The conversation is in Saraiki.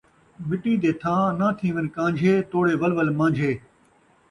مٹی دے تھاں ناں تھیون کان٘جھے ، توڑے ول ول مان٘جھے